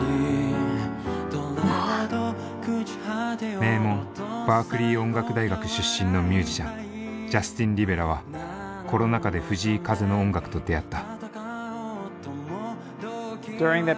名門バークリー音楽大学出身のミュージシャンジャスティン・リベラはコロナ禍で藤井風の音楽と出会った。